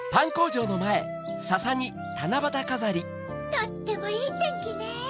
とってもいいてんきね！